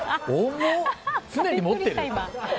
常に持ってる？